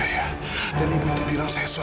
mau mau talung ini